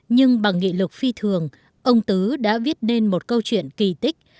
nhưng bằng nghị lực phi thường ông tứ đã viết nên một câu chuyện kỳ tích